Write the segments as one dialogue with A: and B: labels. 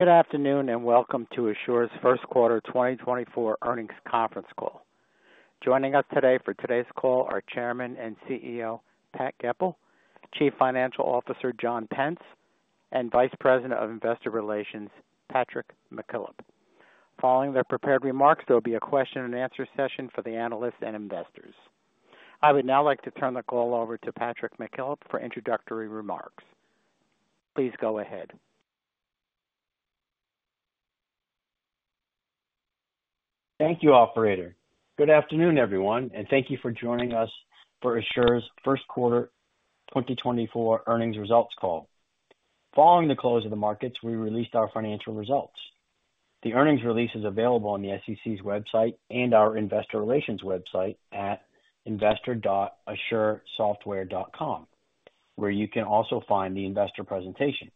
A: Good afternoon, and welcome to Asure's First Quarter 2024 Earnings Conference Call. Joining us today for today's call are Chairman and CEO, Pat Goepel, Chief Financial Officer, John Pence, and Vice President of Investor Relations, Patrick McKillop. Following their prepared remarks, there will be a question and answer session for the analysts and investors. I would now like to turn the call over to Patrick McKillop for introductory remarks. Please go ahead.
B: Thank you, operator. Good afternoon, everyone, and thank you for joining us for Asure's First Quarter 2024 Earnings Results Call. Following the close of the markets, we released our financial results. The earnings release is available on the SEC's website and our investor relations website at investor.asuresoftware.com, where you can also find the investor presentation.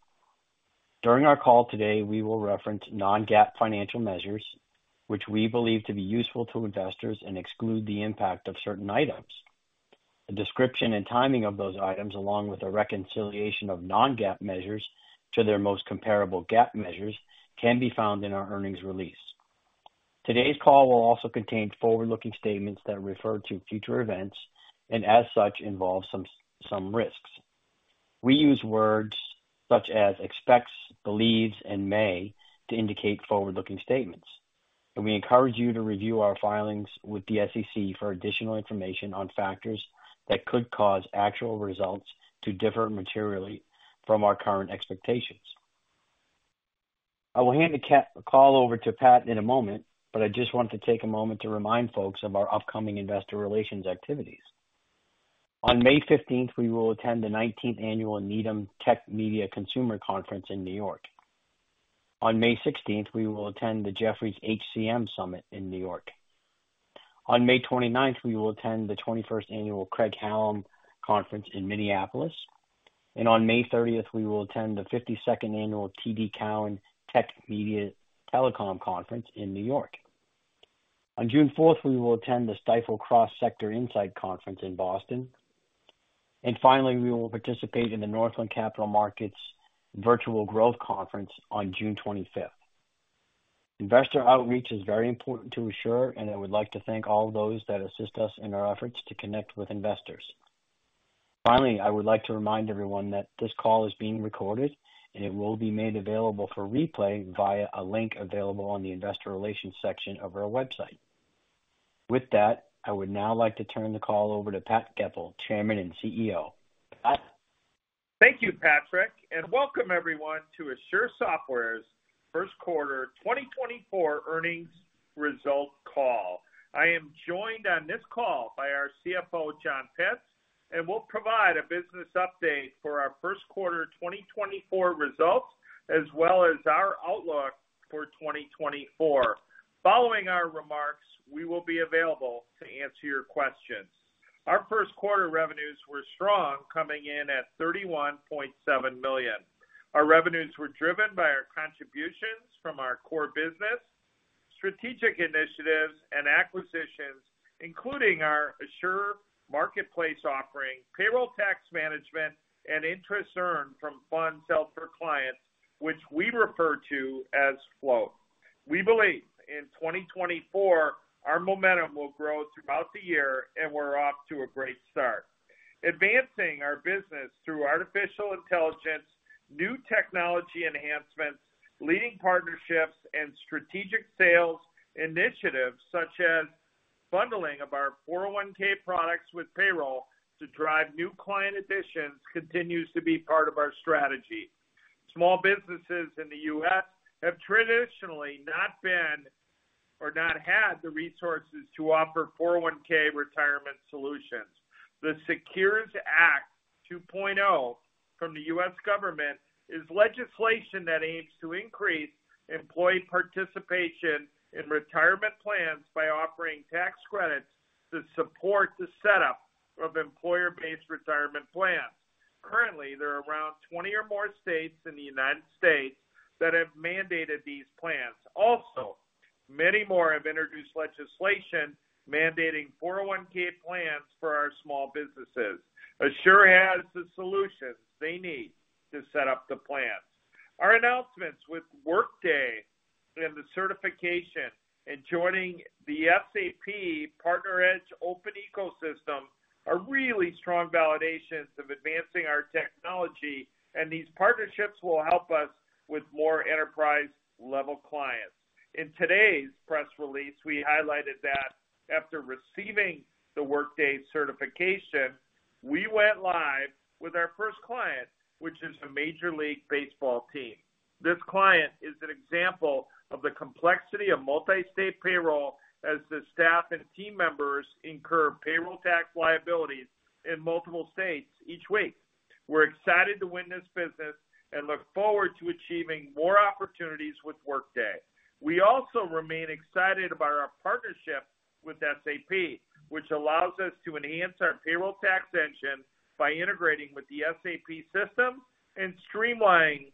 B: During our call today, we will reference non-GAAP financial measures, which we believe to be useful to investors and exclude the impact of certain items. A description and timing of those items, along with a reconciliation of non-GAAP measures to their most comparable GAAP measures, can be found in our earnings release. Today's call will also contain forward-looking statements that refer to future events and as such, involve some risks. We use words such as expects, believes, and may to indicate forward-looking statements, and we encourage you to review our filings with the SEC for additional information on factors that could cause actual results to differ materially from our current expectations. I will hand the call over to Pat in a moment, but I just want to take a moment to remind folks of our upcoming investor relations activities. On May 15, we will attend the 19th Annual Needham Tech, Media, Consumer Conference in New York. On May 16, we will attend the Jefferies HCM Summit in New York. On May 29, we will attend the 21st Annual Craig-Hallum Conference in Minneapolis. And on May 30, we will attend the 52nd annual TD Cowen Tech, Media, Telecom Conference in New York. On June 4, we will attend the Stifel Cross Sector Insight Conference in Boston. Finally, we will participate in the Northland Capital Markets Virtual Growth Conference on June 25th. Investor outreach is very important to Asure, and I would like to thank all those that assist us in our efforts to connect with investors. Finally, I would like to remind everyone that this call is being recorded, and it will be made available for replay via a link available on the Investor Relations section of our website. With that, I would now like to turn the call over to Pat Goepel, Chairman and CEO. Pat?
C: Thank you, Patrick, and welcome everyone to Asure Software's first quarter 2024 earnings results call. I am joined on this call by our CFO, John Pence, and we'll provide a business update for our first quarter 2024 results, as well as our outlook for 2024. Following our remarks, we will be available to answer your questions. Our first quarter revenues were strong, coming in at $31.7 million. Our revenues were driven by our contributions from our core business, strategic initiatives and acquisitions, including our Asure Marketplace offering, payroll tax management, and interest earned from funds held for clients, which we refer to as Float. We believe in 2024, our momentum will grow throughout the year, and we're off to a great start. Advancing our business through artificial intelligence, new technology enhancements, leading partnerships, and strategic sales initiatives, such as bundling of our 401(k) products with payroll to drive new client additions, continues to be part of our strategy. Small businesses in the U.S. have traditionally not been or not had the resources to offer 401(k) retirement solutions. The SECURE Act 2.0, from the U.S. government, is legislation that aims to increase employee participation in retirement plans by offering tax credits to support the setup of employer-based retirement plans. Currently, there are around 20 or more states in the United States that have mandated these plans. Also, many more have introduced legislation mandating 401(k) plans for our small businesses. Asure has the solutions they need to set up the plans. Our announcements with Workday and the certification in joining the SAP PartnerEdge Open Ecosystem are really strong validations of advancing our technology, and these partnerships will help us with more enterprise-level clients. In today's press release, we highlighted that after receiving the Workday certification, we went live with our first client, which is a Major League Baseball team. This client is an example of the complexity of multi-state payroll, as the staff and team members incur payroll tax liabilities in multiple states each week. We're excited to win this business and look forward to achieving more opportunities with Workday. We also remain excited about our partnership with SAP, which allows us to enhance our payroll tax engine by integrating with the SAP system and streamlining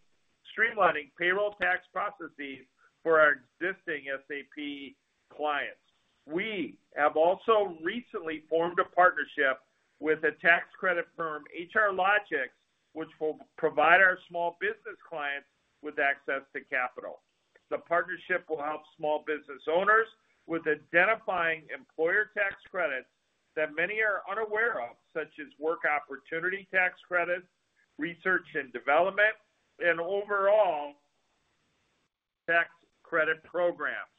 C: payroll tax processes for our existing SAP clients. We have also recently formed a partnership with a tax credit firm, HRLogics, which will provide our small business clients with access to capital. The partnership will help small business owners with identifying employer tax credits that many are unaware of, such as work opportunity tax credits, research and development, and overall tax credit programs.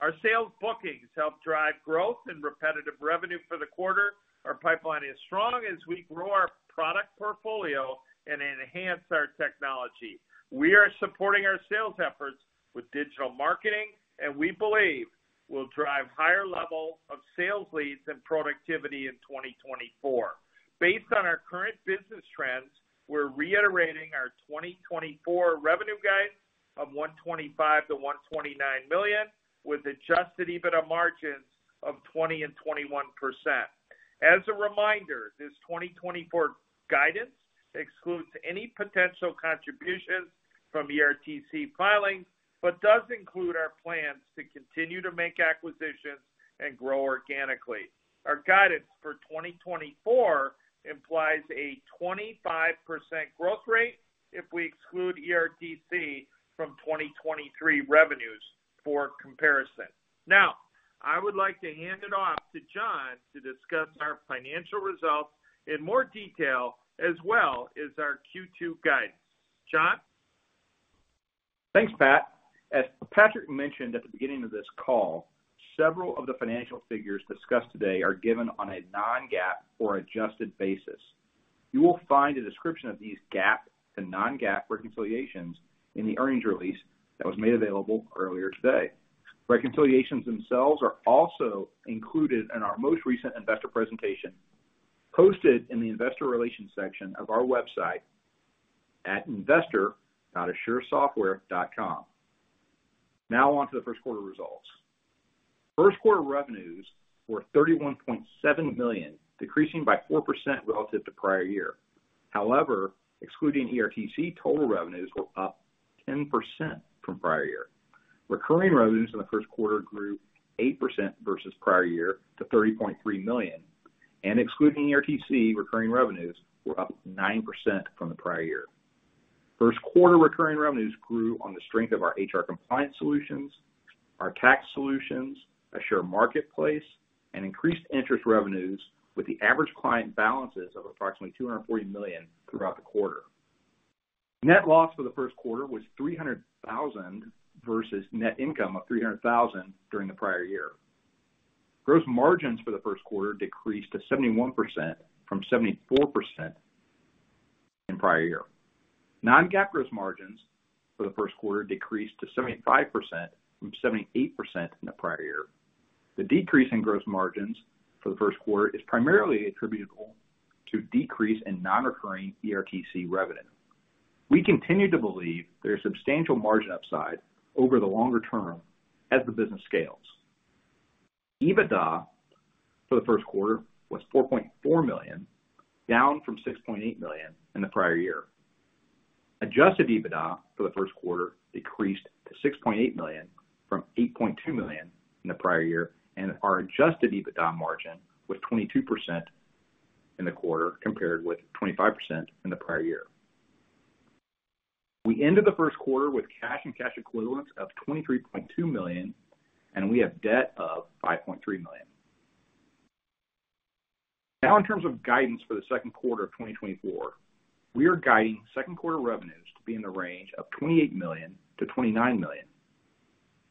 C: Our sales bookings helped drive growth and repetitive revenue for the quarter. Our pipeline is strong as we grow our product portfolio and enhance our technology. We are supporting our sales efforts with digital marketing, and we believe will drive higher level of sales leads and productivity in 2024. Based on our current business trends, we're reiterating our 2024 revenue guide of $125 million-$129 million, with Adjusted EBITDA margins of 20%-21%. As a reminder, this 2024 guidance excludes any potential contributions from ERTC filings, but does include our plans to continue to make acquisitions and grow organically. Our guidance for 2024 implies a 25% growth rate if we exclude ERTC from 2023 revenues for comparison. Now, I would like to hand it off to John to discuss our financial results in more detail, as well as our Q2 guidance. John?
D: Thanks, Pat. As Patrick mentioned at the beginning of this call, several of the financial figures discussed today are given on a non-GAAP or adjusted basis. You will find a description of these GAAP and non-GAAP reconciliations in the earnings release that was made available earlier today. Reconciliations themselves are also included in our most recent investor presentation, posted in the investor relations section of our website at investor.asuresoftware.com. Now, on to the first quarter results. First quarter revenues were $31.7 million, decreasing by 4% relative to prior year. However, excluding ERTC, total revenues were up 10% from prior year. Recurring revenues in the first quarter grew 8% versus prior year to $30.3 million, and excluding ERTC, recurring revenues were up 9% from the prior year. First quarter recurring revenues grew on the strength of our HR compliance solutions, our tax solutions, Asure Marketplace, and increased interest revenues, with the average client balances of approximately $240 million throughout the quarter. Net loss for the first quarter was $300,000, versus net income of $300,000 during the prior year. Gross margins for the first quarter decreased to 71% from 74% in prior year. Non-GAAP gross margins for the first quarter decreased to 75% from 78% in the prior year. The decrease in gross margins for the first quarter is primarily attributable to decrease in non-recurring ERTC revenue. We continue to believe there is substantial margin upside over the longer term as the business scales. EBITDA for the first quarter was $4.4 million, down from $6.8 million in the prior year. Adjusted EBITDA for the first quarter decreased to $6.8 million from $8.2 million in the prior year, and our adjusted EBITDA margin was 22% in the quarter, compared with 25% in the prior year. We ended the first quarter with cash and cash equivalents of $23.2 million, and we have debt of $5.3 million. Now, in terms of guidance for the second quarter of 2024, we are guiding second quarter revenues to be in the range of $28 million-$29 million.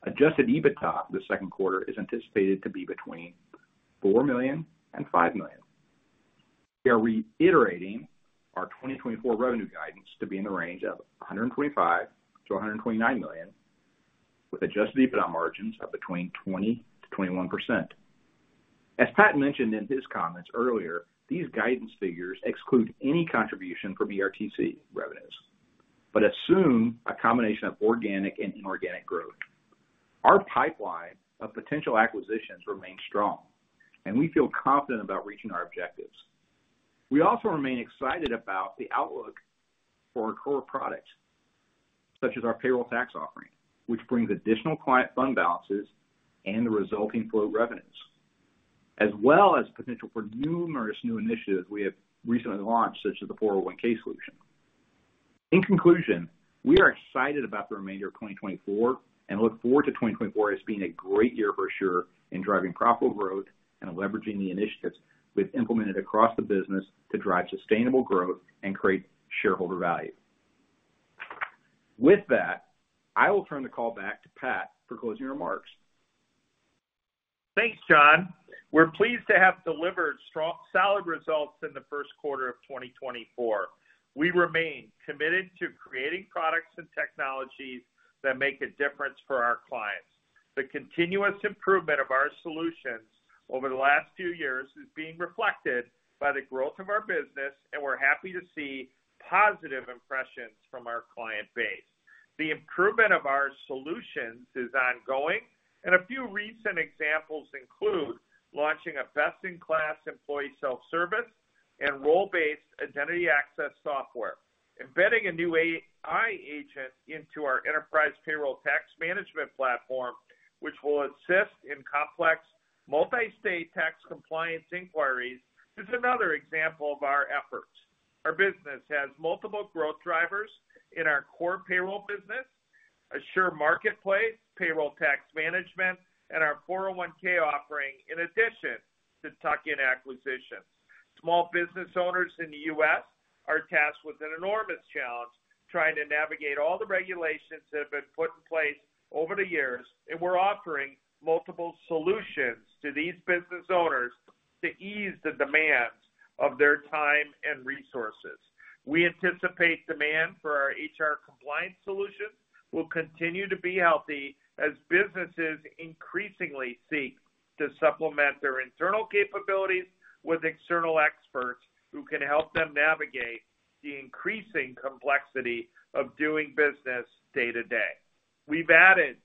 D: Adjusted EBITDA for the second quarter is anticipated to be between $4 million and $5 million. We are reiterating our 2024 revenue guidance to be in the range of $125 million-$129 million, with adjusted EBITDA margins of between 20%-21%. As Pat mentioned in his comments earlier, these guidance figures exclude any contribution from ERTC revenues, but assume a combination of organic and inorganic growth. Our pipeline of potential acquisitions remains strong, and we feel confident about reaching our objectives. We also remain excited about the outlook for our core products, such as our payroll tax offering, which brings additional client fund balances and the resulting flow of revenues, as well as potential for numerous new initiatives we have recently launched, such as the 401(k) solution. In conclusion, we are excited about the remainder of 2024 and look forward to 2024 as being a great year for Asure, in driving profitable growth and leveraging the initiatives we've implemented across the business to drive sustainable growth and create shareholder value. With that, I will turn the call back to Pat for closing remarks.
C: Thanks, John. We're pleased to have delivered strong, solid results in the first quarter of 2024. We remain committed to creating products and technologies that make a difference for our clients. The continuous improvement of our solutions over the last few years is being reflected by the growth of our business, and we're happy to see positive impressions from our client base. The improvement of our solutions is ongoing, and a few recent examples include launching a best-in-class employee self-service and role-based identity access software. Embedding a new AI agent into our enterprise payroll tax management platform, which will assist in complex multi-state tax compliance inquiries, is another example of our efforts. Our business has multiple growth drivers in our core payroll business, Asure Marketplace, payroll tax management, and our 401(k) offering, in addition to tuck-in acquisitions. Small business owners in the U.S. are tasked with an enormous challenge, trying to navigate all the regulations that have been put in place over the years, and we're offering multiple solutions to these business owners to ease the demands of their time and resources. We anticipate demand for our HR compliance solutions will continue to be healthy, as businesses increasingly seek to supplement their internal capabilities with external experts, who can help them navigate the increasing complexity of doing business day-to-day. We've added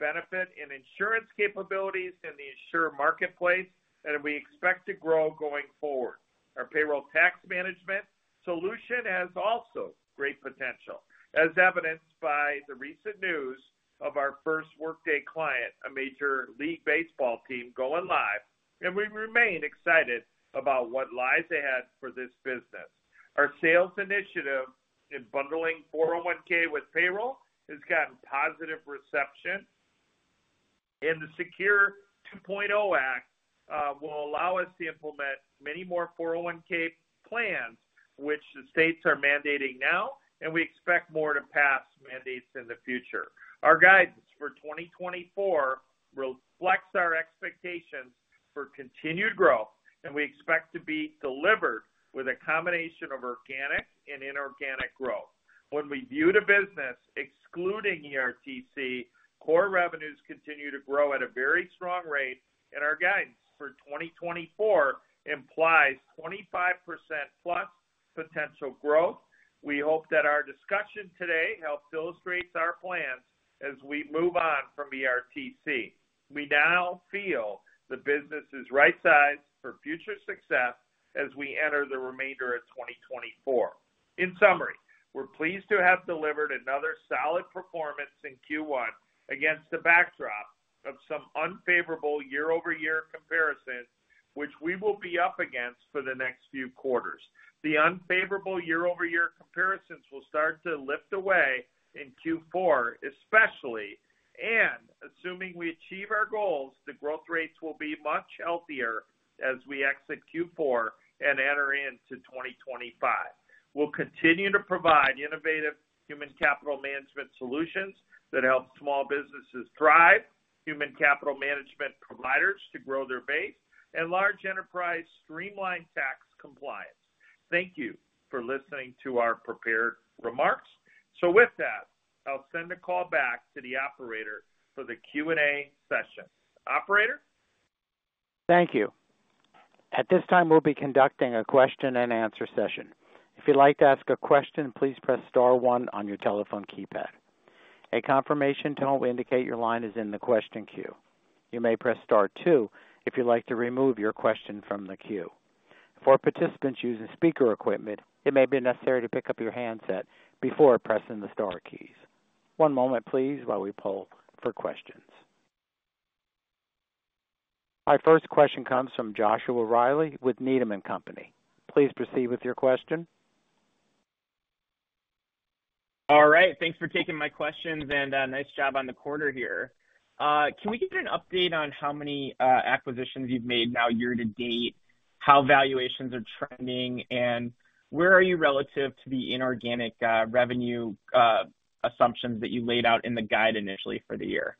C: benefit and insurance capabilities in the Asure Marketplace, and we expect to grow going forward. Our payroll tax management solution has also great potential, as evidenced by the recent news of our first Workday client, a Major League Baseball team, going live, and we remain excited about what lies ahead for this business. Our sales initiative in bundling 401(k) with payroll has gotten positive reception, and the SECURE Act 2.0 will allow us to implement many more 401(k) plans, which the states are mandating now, and we expect more to pass mandates in the future. Our guidance for 2024 reflects our expectations for continued growth, and we expect to be delivered with a combination of organic and inorganic growth. When we view the business, excluding ERTC, core revenues continue to grow at a very strong rate, and our guidance for 2024 implies 25%+ potential growth. We hope that our discussion today helps illustrates our plans as we move on from ERTC. We now feel the business is right-sized for future success as we enter the remainder of 2024. In summary, we're pleased to have delivered another solid performance in Q1 against the backdrop of some unfavorable year-over-year comparisons, which we will be up against for the next few quarters. The unfavorable year-over-year comparisons will start to lift away in Q4, especially, and assuming we achieve our goals, the growth rates will be much healthier as we exit Q4 and enter into 2025. We'll continue to provide innovative human capital management solutions that help small businesses thrive, human capital management providers to grow their base, and large enterprise streamline tax compliance. Thank you for listening to our prepared remarks. So with that, I'll send the call back to the operator for the Q&A session. Operator?
A: Thank you. At this time, we'll be conducting a question-and-answer session. If you'd like to ask a question, please press star one on your telephone keypad. A confirmation tone will indicate your line is in the question queue. You may press star two if you'd like to remove your question from the queue. For participants using speaker equipment, it may be necessary to pick up your handset before pressing the star keys. One moment, please, while we poll for questions. Our first question comes from Joshua Reilly with Needham & Company. Please proceed with your question.
E: All right, thanks for taking my questions, and nice job on the quarter here. Can we get an update on how many acquisitions you've made now year to date, how valuations are trending, and where are you relative to the inorganic revenue assumptions that you laid out in the guide initially for the year?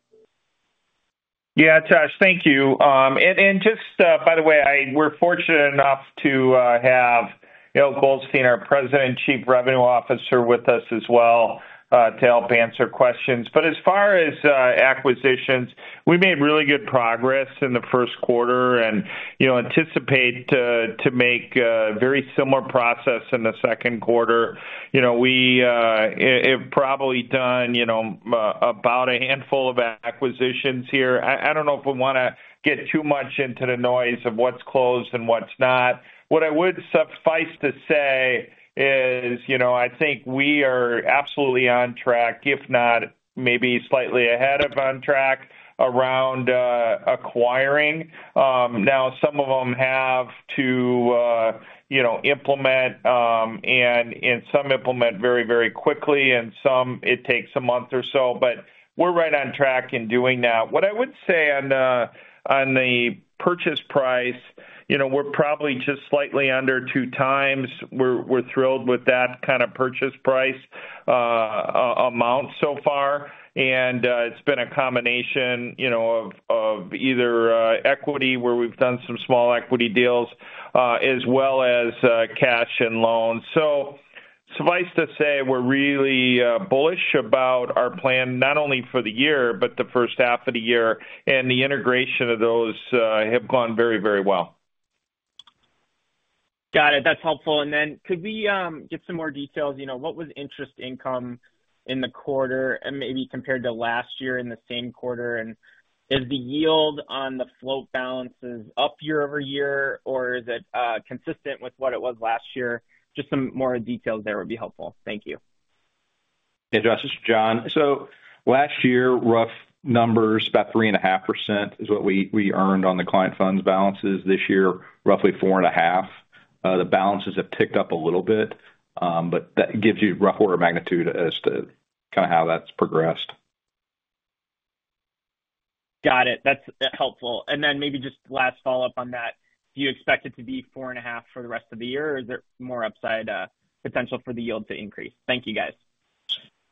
C: Yeah, Josh, thank you. And just, by the way, we're fortunate enough to have Eyal Goldstein, our President and Chief Revenue Officer, with us as well, to help answer questions. But as far as acquisitions, we made really good progress in the first quarter and, you know, anticipate to make very similar progress in the second quarter. You know, we have probably done, you know, about a handful of acquisitions here. I don't know if we wanna get too much into the noise of what's closed and what's not. What I would suffice to say is, you know, I think we are absolutely on track, if not maybe slightly ahead of on track, around acquiring. Now some of them have to, you know, implement, and, and some implement very, very quickly, and some it takes a month or so, but we're right on track in doing that. What I would say on, on the purchase price, you know, we're probably just slightly under 2x. We're, we're thrilled with that kind of purchase price, amount so far, and, it's been a combination, you know, of, of either, equity, where we've done some small equity deals, as well as, cash and loans. So suffice to say, we're really, bullish about our plan, not only for the year, but the first half of the year, and the integration of those, have gone very, very well.
E: Got it. That's helpful. Then could we get some more details? You know, what was interest income in the quarter and maybe compared to last year in the same quarter? Is the yield on the float balances up year-over-year, or is it consistent with what it was last year? Just some more details there would be helpful. Thank you.
D: Hey, Josh, this is John. Last year, rough numbers, about 3.5% is what we earned on the client funds balances. This year, roughly 4.5%. The balances have ticked up a little bit, but that gives you rough order of magnitude as to kinda how that's progressed.
E: Got it. That's helpful. And then maybe just last follow-up on that, do you expect it to be 4.5 for the rest of the year, or is there more upside potential for the yield to increase? Thank you, guys.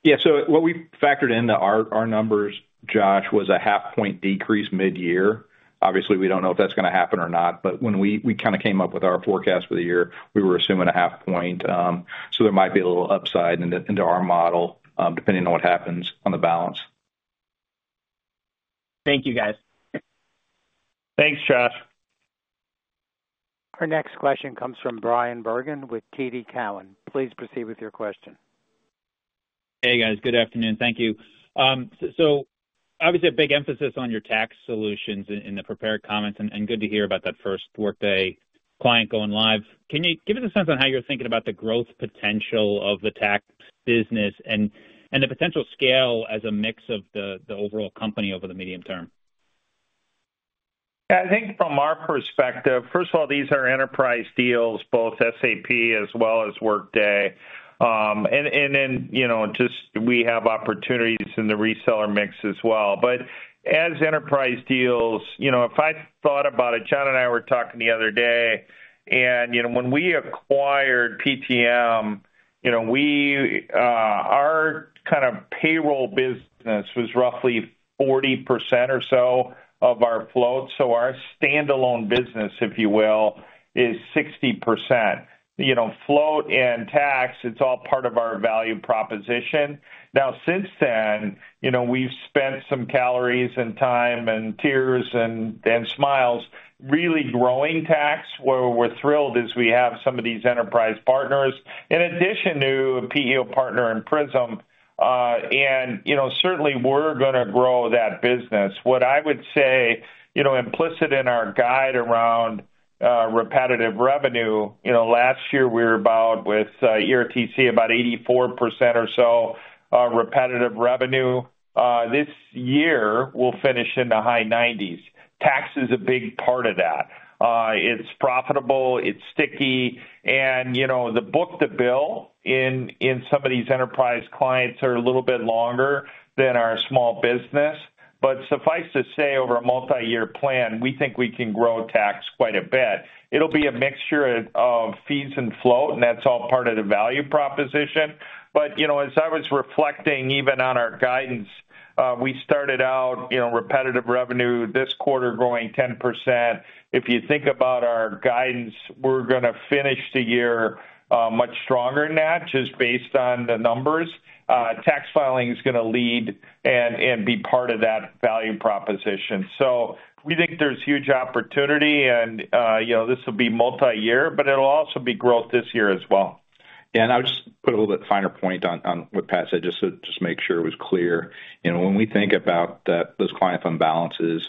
D: Yeah. So what we factored into our numbers, Josh, was a half point decrease mid-year. Obviously, we don't know if that's gonna happen or not, but when we kinda came up with our forecast for the year, we were assuming a half point. So there might be a little upside into our model, depending on what happens on the balance.
E: Thank you, guys.
C: Thanks, Josh.
A: Our next question comes from Bryan Bergin with TD Cowen. Please proceed with your question.
F: Hey, guys. Good afternoon. Thank you. So obviously, a big emphasis on your tax solutions in the prepared comments, and good to hear about that first Workday client going live. Can you give us a sense on how you're thinking about the growth potential of the tax business and the potential scale as a mix of the overall company over the medium term?
C: Yeah, I think from our perspective, first of all, these are enterprise deals, both SAP as well as Workday. And then, you know, just we have opportunities in the reseller mix as well. But as enterprise deals, you know, if I thought about it, John and I were talking the other day, and, you know, when we acquired PTM, you know, we, our kind of payroll business was roughly 40% or so of our float. So our standalone business, if you will, is 60%. You know, float and tax, it's all part of our value proposition. Now, since then, you know, we've spent some calories and time and tears and smiles, really growing tax, where we're thrilled as we have some of these enterprise partners, in addition to PEO partner and Prism, and, you know, certainly we're gonna grow that business. What I would say, you know, implicit in our guide around repetitive revenue, you know, last year we were about, with ERTC, about 84% or so repetitive revenue. This year, we'll finish in the high 90s. Tax is a big part of that. It's profitable, it's sticky, and, you know, the book to bill in some of these enterprise clients are a little bit longer than our small business. But suffice to say, over a multi-year plan, we think we can grow tax quite a bit. It'll be a mixture of fees and float, and that's all part of the value proposition. But, you know, as I was reflecting even on our guidance, we started out, you know, repetitive revenue this quarter growing 10%. If you think about our guidance, we're gonna finish the year much stronger than that, just based on the numbers. Tax filing is gonna lead and be part of that value proposition. So we think there's huge opportunity and, you know, this will be multi-year, but it'll also be growth this year as well.
D: I'll just put a little bit finer point on what Pat said, just to make sure it was clear. You know, when we think about thet hose client fund balances,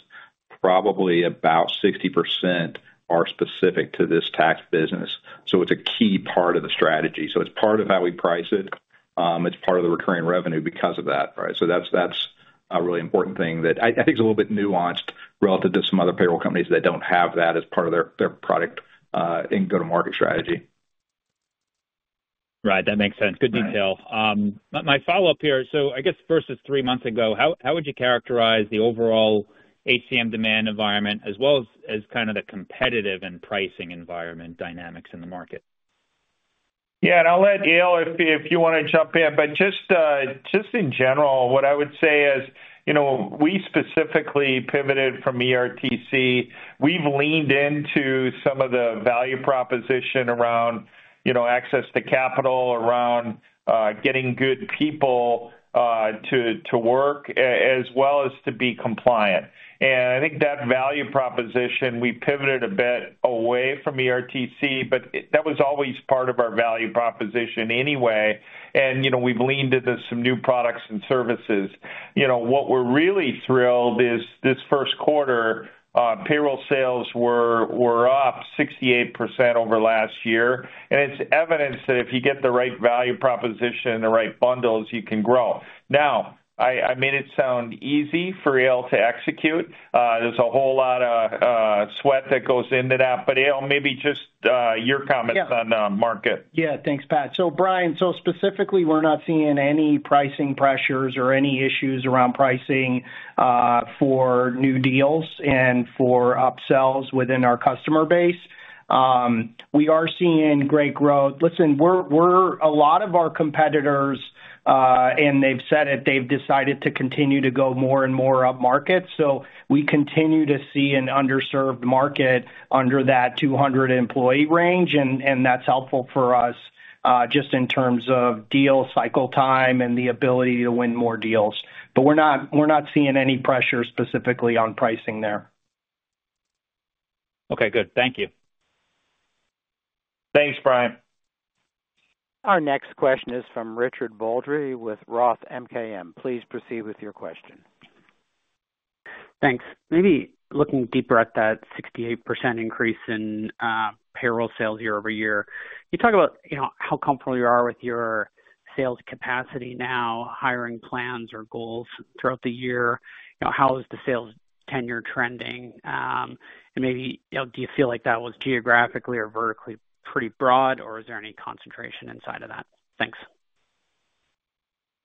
D: probably about 60% are specific to this tax business, so it's a key part of the strategy. So it's part of how we price it, it's part of the recurring revenue because of that, right? So that's a really important thing that I think is a little bit nuanced relative to some other payroll companies that don't have that as part of their product and go-to-market strategy.
F: Right. That makes sense.
D: Right.
F: Good detail. My follow-up here, so I guess versus three months ago, how would you characterize the overall HCM demand environment, as well as kind of the competitive and pricing environment dynamics in the market?
C: Yeah, and I'll let Eyal, if you wanna jump in, but just in general, what I would say is, you know, we specifically pivoted from ERTC. We've leaned into some of the value proposition around, you know, access to capital, around getting good people to work as well as to be compliant. And I think that value proposition, we pivoted a bit away from ERTC, but it, that was always part of our value proposition anyway, and, you know, we've leaned into some new products and services. You know, what we're really thrilled is, this first quarter, payroll sales were up 68% over last year, and it's evidence that if you get the right value proposition, the right bundles, you can grow. Now, I made it sound easy for Eyal to execute. There's a whole lot of sweat that goes into that, but, Eyal, maybe just your comments- Yeah. on the market.
G: Yeah. Thanks, Pat. So Brian, so specifically, we're not seeing any pricing pressures or any issues around pricing for new deals and for upsells within our customer base. We are seeing great growth. Listen, we're. A lot of our competitors, and they've said it, they've decided to continue to go more and more upmarket. So we continue to see an underserved market under that 200 employee range, and that's helpful for us just in terms of deal cycle time and the ability to win more deals. But we're not seeing any pressure specifically on pricing there.
F: Okay, good. Thank you.
C: Thanks, Brian.
A: Our next question is from Richard Baldry with Roth MKM. Please proceed with your question.
H: Thanks. Maybe looking deeper at that 68% increase in, payroll sales year over year. You talk about, you know, how comfortable you are with your sales capacity now, hiring plans or goals throughout the year, you know, how is the sales tenure trending? And maybe, you know, do you feel like that was geographically or vertically pretty broad, or is there any concentration inside of that? Thanks.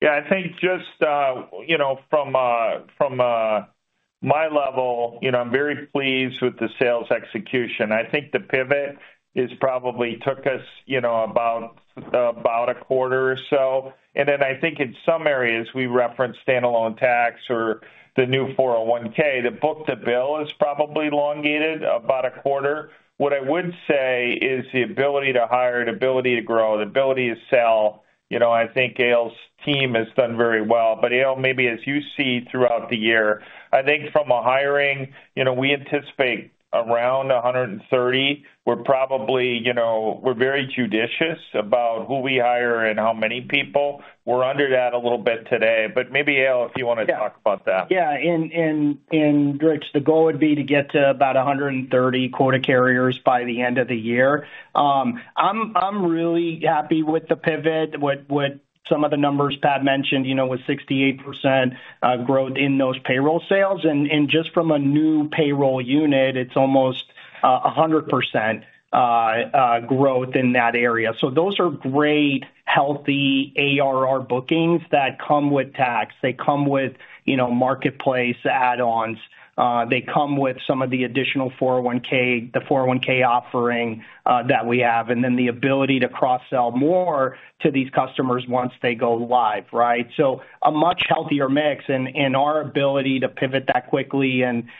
C: Yeah, I think just, you know, from, from my level, you know, I'm very pleased with the sales execution. I think the pivot is probably took us, you know, about a quarter or so. And then I think in some areas, we reference standalone tax or the new 401(k), the book-to-bill is probably elongated about a quarter. What I would say is the ability to hire, the ability to grow, the ability to sell, you know, I think Eyal's team has done very well. But, Eyal, maybe as you see throughout the year, I think from a hiring, you know, we anticipate around 130. We're probably, you know, we're very judicious about who we hire and how many people. We're under that a little bit today, but maybe, Eyal, if you wanna talk about that.
G: Yeah. In Rich, the goal would be to get to about 130 quota carriers by the end of the year. I'm really happy with the pivot, with some of the numbers Pat mentioned, you know, with 68% growth in those payroll sales. And just from a new payroll unit, it's almost 100% growth in that area. So those are great, healthy ARR bookings that come with tax. They come with, you know, marketplace add-ons. They come with some of the additional 401 -- the 401 offering that we have, and then the ability to cross-sell more to these customers once they go live, right? So a much healthier mix, and our ability to pivot that quickly and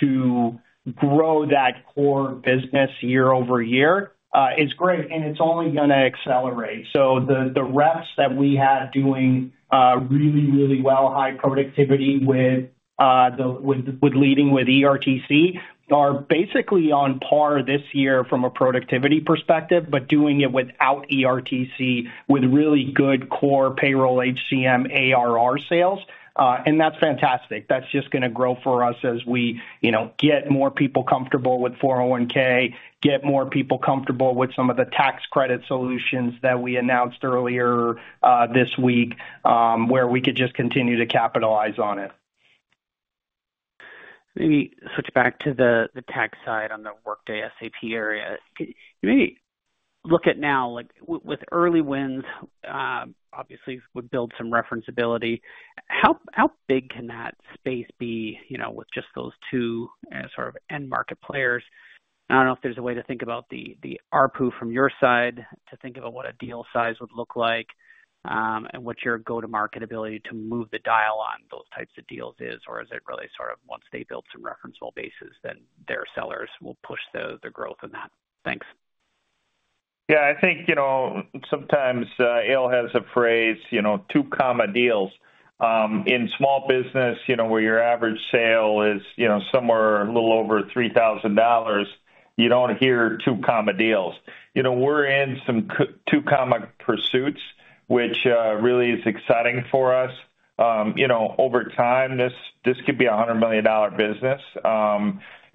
G: to grow that core business year over year, is great, and it's only gonna accelerate. So the reps that we had doing really, really well, high productivity with leading with ERTC, are basically on par this year from a productivity perspective, but doing it without ERTC, with really good core payroll HCM ARR sales, and that's fantastic. That's just gonna grow for us as we, you know, get more people comfortable with 401, get more people comfortable with some of the tax credit solutions that we announced earlier this week, where we could just continue to capitalize on it.
H: Let me switch back to the tech side on the Workday SAP area. Can you maybe look at now, like, with early wins, obviously, would build some reference ability, how big can that space be, you know, with just those two as sort of end-market players? I don't know if there's a way to think about the ARPU from your side, to think about what a deal size would look like, and what your go-to-market ability to move the dial on those types of deals is, or is it really sort of once they build some referenceable bases, then their sellers will push the growth in that? Thanks.
C: Yeah, I think, you know, sometimes, Eyal has a phrase, you know, two comma deals. In small business, you know, where your average sale is, you know, somewhere a little over $3,000, you don't hear two comma deals. You know, we're in some two comma pursuits, which really is exciting for us. You know, over time, this, this could be a $100 million business.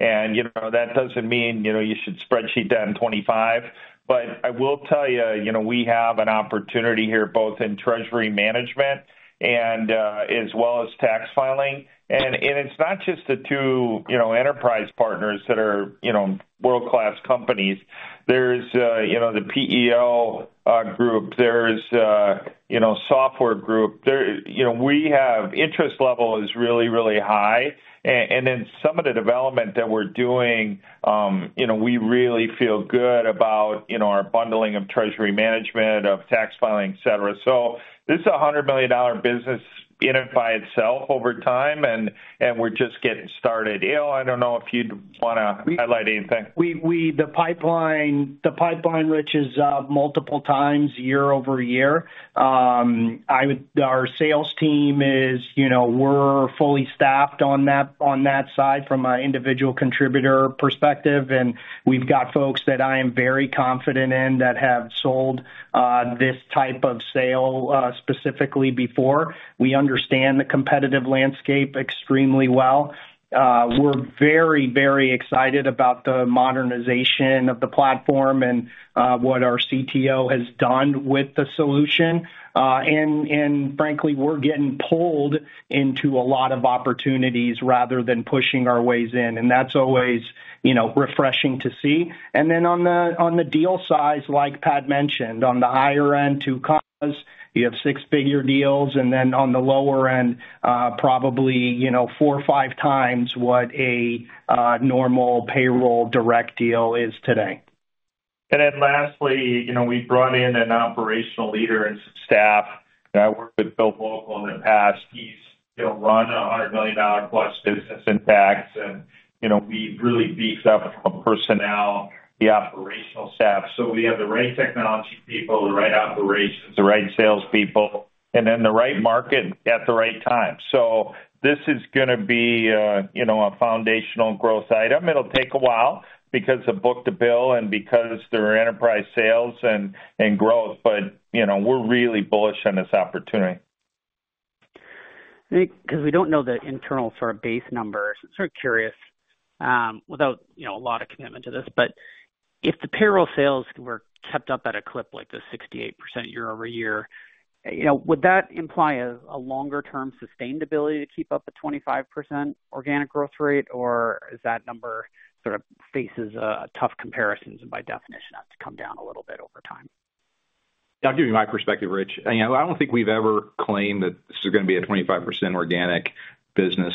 C: And, you know, that doesn't mean, you know, you should spreadsheet down 25. But I will tell you, you know, we have an opportunity here, both in treasury management and, as well as tax filing. And, and it's not just the two, you know, enterprise partners that are, you know, world-class companies. There's, you know, the PEO group, there's, you know, software group. You know, we have interest level is really, really high. And then some of the development that we're doing, you know, we really feel good about, you know, our bundling of treasury management, of tax filing, et cetera. So this is a $100 million business in it by itself over time, and we're just getting started. Eyal, I don't know if you'd wanna highlight anything.
G: The pipeline, which is multiple times year-over-year. Our sales team is, you know, we're fully staffed on that side from a individual contributor perspective, and we've got folks that I am very confident in, that have sold this type of sale specifically before. We understand the competitive landscape extremely well. We're very, very excited about the modernization of the platform and what our CTO has done with the solution. And frankly, we're getting pulled into a lot of opportunities rather than pushing our ways in, and that's always, you know, refreshing to see. And then on the deal size, like Pat mentioned, on the higher end, two commas, you have six-figure deals, and then on the lower end, probably, you know, four or five times what a normal payroll direct deal is today.
C: And then lastly, you know, we brought in an operational leader and some staff. And I worked with Phil Vogel in the past. He's, you know, run a $100 million-plus business in tax. And, you know, we really beefed up on personnel, the operational staff. So we have the right technology people, the right operations, the right salespeople, and then the right market at the right time. So this is gonna be a, you know, a foundational growth item. It'll take a while because of book to bill and because they're enterprise sales and growth, but, you know, we're really bullish on this opportunity.
H: I think, 'cause we don't know the internal sort of base numbers. Sort of curious, without, you know, a lot of commitment to this, but if the payroll sales were kept up at a clip like the 68% year-over-year, you know, would that imply a longer term sustainability to keep up the 25% organic growth rate? Or is that number sort of faces tough comparisons, and by definition, have to come down a little bit over time?
D: I'll give you my perspective, Rich. You know, I don't think we've ever claimed that this is gonna be a 25% organic business.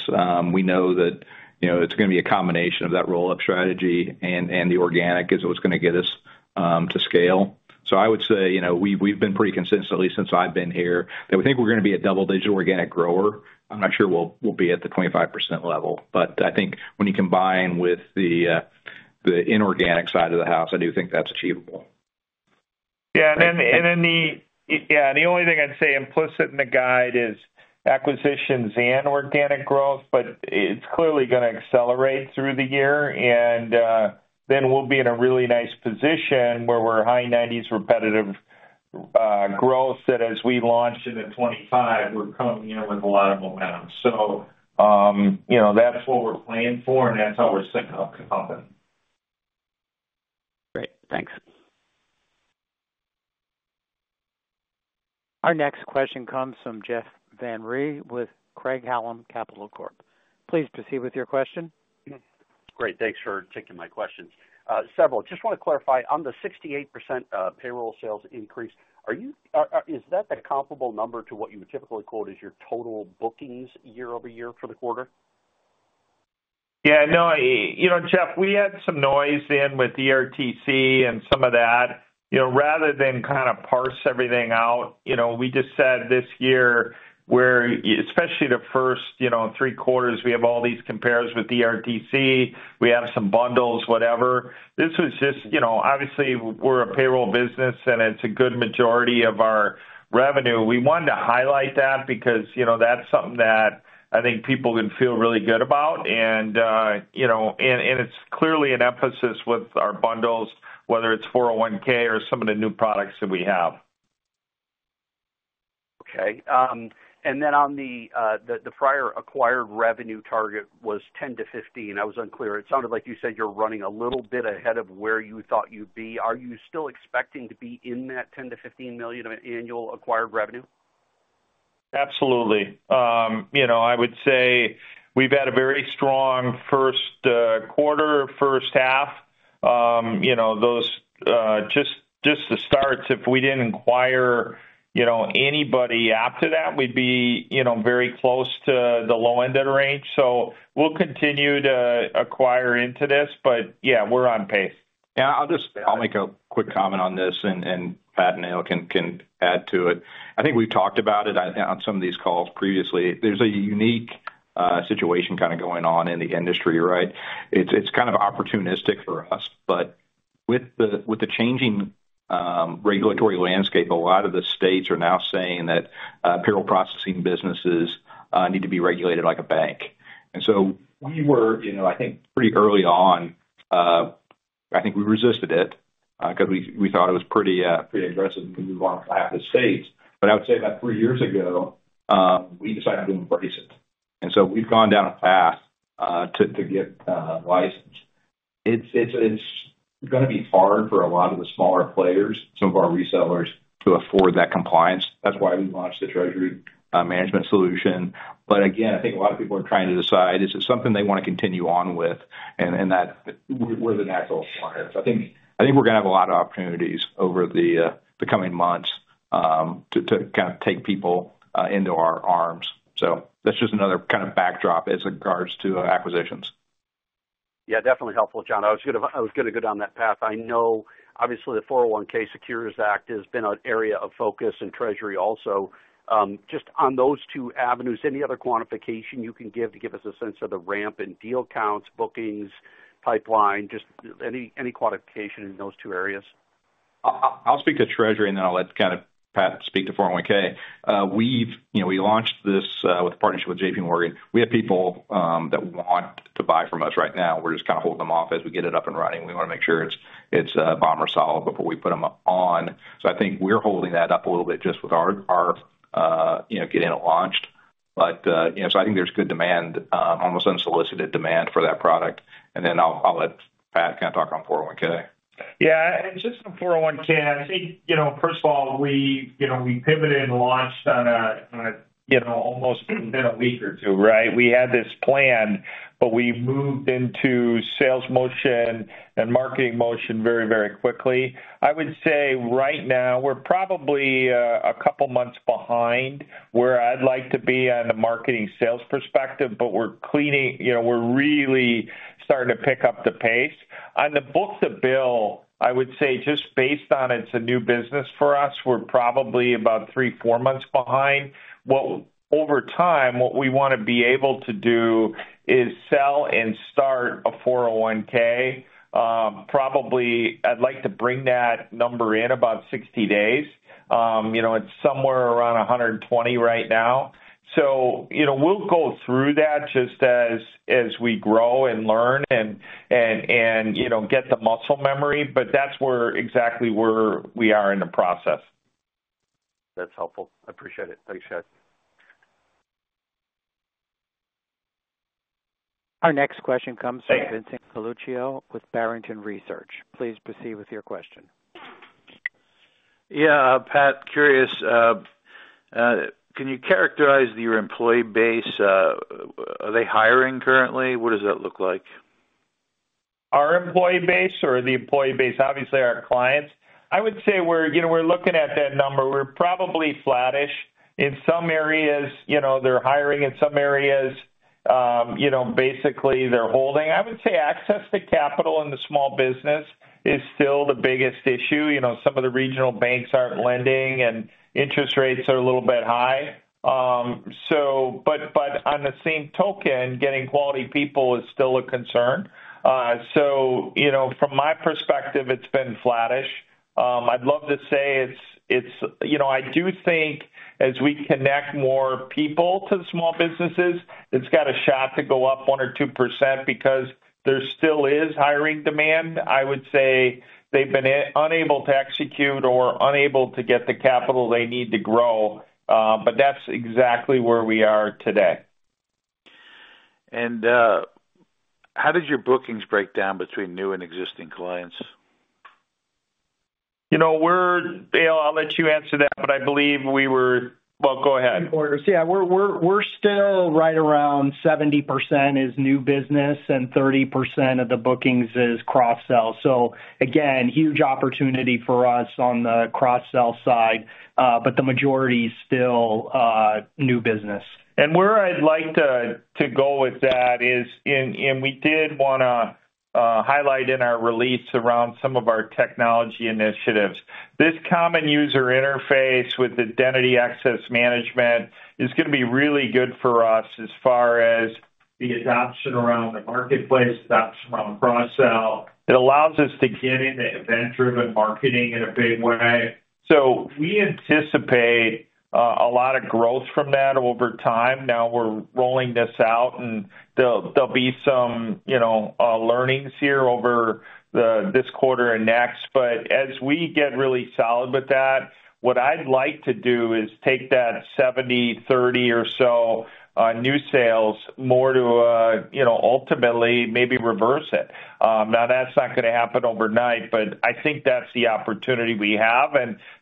D: We know that, you know, it's gonna be a combination of that roll-up strategy and, and the organic is what's gonna get us to scale. So I would say, you know, we've, we've been pretty consistently, since I've been here, that we think we're gonna be a double-digit organic grower. I'm not sure we'll, we'll be at the 25% level, but I think when you combine with the, the inorganic side of the house, I do think that's achievable.
C: Yeah. And then the only thing I'd say implicit in the guide is acquisitions and organic growth, but it's clearly gonna accelerate through the year. And then we'll be in a really nice position where we're high 90s repetitive growth, that as we launch into 2025, we're coming in with a lot of momentum. So, you know, that's what we're planning for, and that's how we're setting up the company.
H: Great. Thanks.
A: Our next question comes from Jeff Van Rhee with Craig-Hallum Capital Corp. Please proceed with your question.
I: Great. Thanks for taking my questions. Several. Just want to clarify, on the 68% payroll sales increase, is that the comparable number to what you would typically quote as your total bookings year-over-year for the quarter?
C: Yeah, no, you know, Jeff, we had some noise in with ERTC and some of that. You know, rather than kind of parse everything out, you know, we just said this year, especially the first, you know, three quarters, we have all these compares with ERTC, we have some bundles, whatever. This was just... You know, obviously, we're a payroll business, and it's a good majority of our revenue. We wanted to highlight that because, you know, that's something that I think people can feel really good about. And, you know, and, and it's clearly an emphasis with our bundles, whether it's 401 or some of the new products that we have.
I: Okay. And then on the prior acquired revenue target was 10-15. I was unclear. It sounded like you said you're running a little bit ahead of where you thought you'd be. Are you still expecting to be in that $10 million-$15 million of annual acquired revenue?
C: Absolutely. You know, I would say we've had a very strong first quarter, first half. You know, those just the starts, if we didn't acquire anybody after that, we'd be very close to the low end of the range. So we'll continue to acquire into this. But yeah, we're on pace.
D: Yeah, I'll just, I'll make a quick comment on this, and Pat and Eyal can add to it. I think we've talked about it on some of these calls previously. There's a unique situation kind of going on in the industry, right? It's kind of opportunistic for us, but with the changing regulatory landscape, a lot of the states are now saying that payroll processing businesses need to be regulated like a bank. And so we were, you know, I think pretty early on, I think we resisted it, because we thought it was pretty aggressive on behalf of the states. But I would say about three years ago, we decided to embrace it. And so we've gone down a path to get a license. It's gonna be hard for a lot of the smaller players, some of our resellers, to afford that compliance. That's why we launched the treasury management solution. But again, I think a lot of people are trying to decide, is it something they want to continue on with? And that we're the natural partners. I think we're gonna have a lot of opportunities over the coming months to kind of take people into our arms. So that's just another kind of backdrop as regards to acquisitions.
I: Yeah, definitely helpful, John. I was gonna go down that path. I know obviously the SECURE Act has been an area of focus and treasury also. Just on those two avenues, any other quantification you can give to give us a sense of the ramp and deal counts, bookings, pipeline, just any quantification in those two areas?
D: I'll speak to treasury, and then I'll let kind of Pat speak to 401. We've, you know, launched this with partnership with J.P. Morgan. We have people that want to buy from us right now. We're just kind of holding them off as we get it up and running. We want to make sure it's bombproof solid before we put them on. So I think we're holding that up a little bit just with our getting it launched. But, you know, so I think there's good demand, almost unsolicited demand for that product. And then I'll let Pat kind of talk on 401.
C: Yeah, and just on 401(k), I think, you know, first of all, we, you know, we pivoted and launched on a, on a, you know, almost within a week or two, right? We had this plan, but we moved into sales motion and marketing motion very, very quickly. I would say right now, we're probably a couple months behind where I'd like to be on the marketing sales perspective, but we're cleaning, you know, we're really starting to pick up the pace. On the book to bill, I would say, just based on it's a new business for us, we're probably about three-four months behind. Over time, what we want to be able to do is sell and start a 401(k). Probably, I'd like to bring that number in about 60 days. You know, it's somewhere around 120 right now. You know, we'll go through that just as we grow and learn and, you know, get the muscle memory, but that's exactly where we are in the process.
I: That's helpful. I appreciate it. Thanks, Pat.
A: Our next question comes from Vincent Colicchio with Barrington Research. Please proceed with your question.
J: Yeah, Pat, curious, can you characterize your employee base? Are they hiring currently? What does that look like?
C: Our employee base or the employee base, obviously, our clients? I would say we're, you know, we're looking at that number. We're probably flattish. In some areas, you know, they're hiring, in some areas, you know, basically, they're holding. I would say access to capital in the small business is still the biggest issue. You know, some of the regional banks aren't lending, and interest rates are a little bit high. But on the same token, getting quality people is still a concern. So, you know, from my perspective, it's been flattish. I'd love to say it's. You know, I do think as we connect more people to the small businesses, it's got a shot to go up 1% or 2% because there still is hiring demand. I would say they've been unable to execute or unable to get the capital they need to grow, but that's exactly where we are today.
J: How did your bookings break down between new and existing clients?
C: You know, we're Eyal, I'll let you answer that, but I believe we were. Well, go ahead.
G: Yeah, we're still right around 70% is new business, and 30% of the bookings is cross-sell. So again, huge opportunity for us on the cross-sell side, but the majority is still new business.
C: Where I'd like to go with that is, we did wanna highlight in our release around some of our technology initiatives. This common user interface with identity access management is gonna be really good for us as far as the adoption around the marketplace, adoption around cross-sell. It allows us to get into event-driven marketing in a big way. So we anticipate a lot of growth from that over time. Now, we're rolling this out, and there'll be some, you know, learnings here over this quarter and next. But as we get really solid with that, what I'd like to do is take that 70/30 or so new sales more to, you know, ultimately maybe reverse it. Now that's not gonna happen overnight, but I think that's the opportunity we have.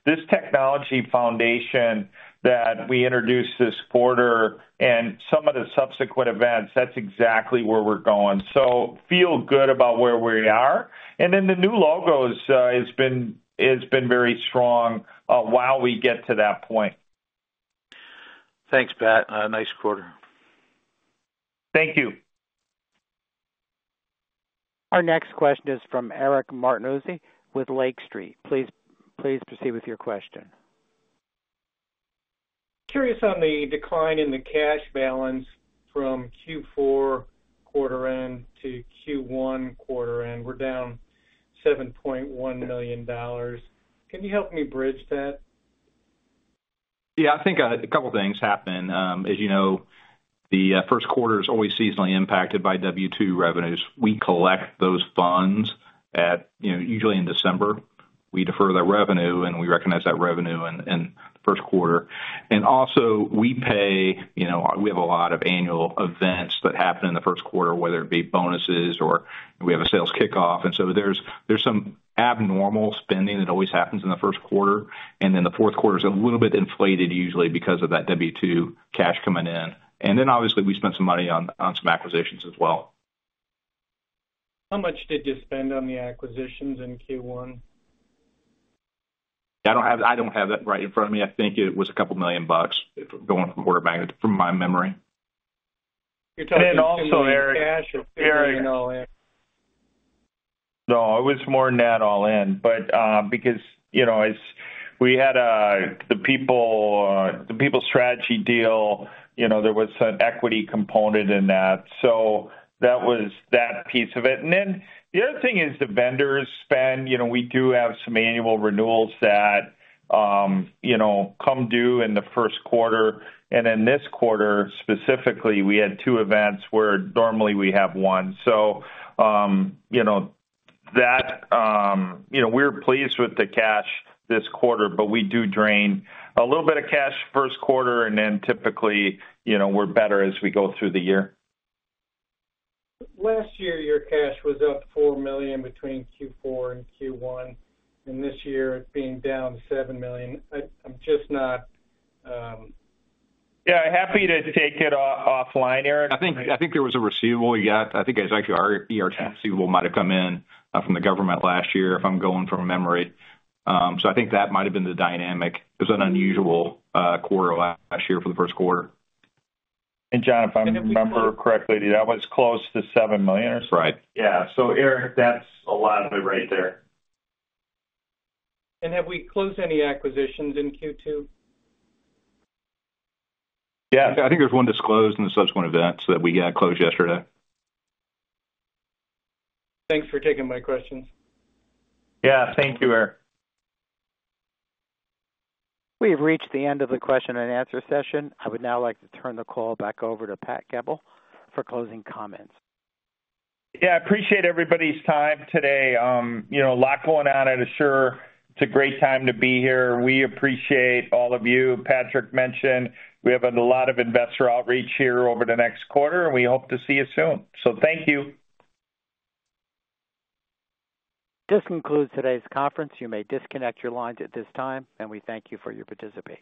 C: This technology foundation that we introduced this quarter and some of the subsequent events, that's exactly where we're going. So feel good about where we are. And then the new logos, it's been very strong while we get to that point.
J: Thanks, Pat. Nice quarter.
C: Thank you.
A: Our next question is from Eric Martinuzzi with Lake Street. Please, please proceed with your question.
K: Curious on the decline in the cash balance from Q4 quarter end to Q1 quarter end. We're down $7.1 million. Can you help me bridge that?
D: Yeah, I think a couple of things happened. As you know, the first quarter is always seasonally impacted by W-2 revenues. We collect those funds at, you know, usually in December. We defer that revenue, and we recognize that revenue in the first quarter. And also we pay, you know, we have a lot of annual events that happen in the first quarter, whether it be bonuses or we have a sales kickoff. And so there's some abnormal spending that always happens in the first quarter, and then the fourth quarter is a little bit inflated, usually, because of that W-2 cash coming in. And then, obviously, we spent some money on some acquisitions as well.
K: How much did you spend on the acquisitions in Q1?
D: I don't have, I don't have that right in front of me. I think it was $2 million, going from quarter margin, from my memory.
K: You're talking-
C: And also, Eric-
K: Cash and-
C: Eric. No, it was more than that all in. But, because, you know, it's—we had, the people, the People strategy deal, you know, there was an equity component in that. So that was that piece of it. And then the other thing is the vendors spend. You know, we do have some annual renewals that, you know, come due in the first quarter. And in this quarter, specifically, we had two events where normally we have one. So, you know, that, you know, we're pleased with the cash this quarter, but we do drain a little bit of cash first quarter, and then typically, you know, we're better as we go through the year.
K: Last year, your cash was up $4 million between Q4 and Q1, and this year, it's being down $7 million. I'm just not,
C: Yeah, happy to take it offline, Eric.
D: I think, I think there was a receivable we got. I think it's actually our ERTC receivable might have come in, from the government last year, if I'm going from memory. So I think that might have been the dynamic. It was an unusual quarter last year for the first quarter.
C: John, if I remember correctly, that was close to $7 million?
D: That's right.
C: Yeah. So, Eric, that's a lot of it right there.
K: Have we closed any acquisitions in Q2?
D: Yeah, I think there's one disclosed in the subsequent events that we got closed yesterday.
K: Thanks for taking my questions.
C: Yeah. Thank you, Eric.
A: We have reached the end of the question and answer session. I would now like to turn the call back over to Pat Goepel for closing comments.
C: Yeah, I appreciate everybody's time today. You know, a lot going on at Asure. It's a great time to be here. We appreciate all of you. Patrick mentioned we have a lot of investor outreach here over the next quarter, and we hope to see you soon. So thank you.
A: This concludes today's conference. You may disconnect your lines at this time, and we thank you for your participation.